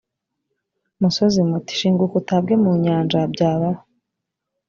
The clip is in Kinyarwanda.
musozi muti shinguka utabwe mu nyanja byabaho